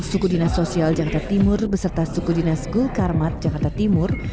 suku dinas sosial jakarta timur beserta suku dinas gul karmat jakarta timur